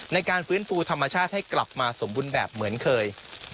ในการฟื้นฟูธรรมชาติให้กลับมาสมบูรณ์แบบเหมือนเคย